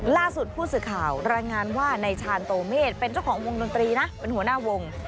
ล่าสุดผู้สื่อข่าวรายงานว่าในชาญโตเมษเป็นเจ้าของวงดนตรีนะเป็นหัวหน้าวง